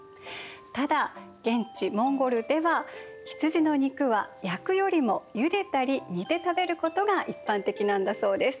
ただ現地モンゴルでは羊の肉は焼くよりもゆでたり煮て食べることが一般的なんだそうです。